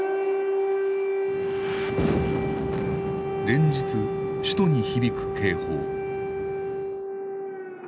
連日首都に響く警報。